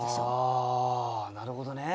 はあなるほどね。